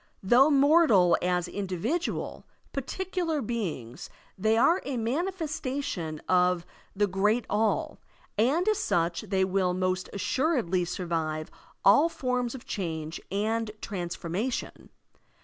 Though mortal as individual, particular beings, they are a manifestation of the Great All, and as such they will most assuredly survive all forms of change and transformation.